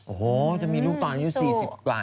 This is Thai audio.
โอ้โหจะมีลูกตอนอายุ๔๐กว่า